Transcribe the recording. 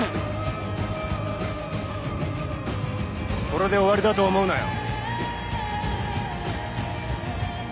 これで終わりだと思うなよ。